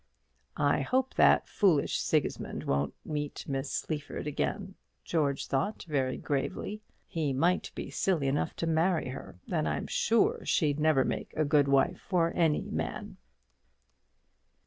"I hope that foolish Sigismund won't meet Miss Sleaford again," George thought, very gravely; "he might be silly enough to marry her, and I'm sure she'd never make a good wife for any man."